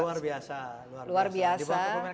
luar biasa di bawah komitmen